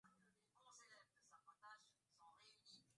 bruce ismay alikuwa mkurugenzi mtendaji wa meli ya titanic